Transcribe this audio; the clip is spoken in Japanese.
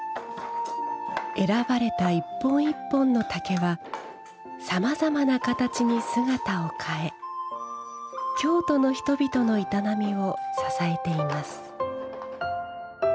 選ばれた一本一本の竹はさまざまな形に姿を変え京都の人々の営みを支えています。